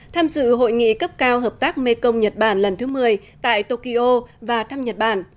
tham dự hội nghị cấp cao hợp tác mekong nhật bản lần thứ một mươi tại tokyo và thăm nhật bản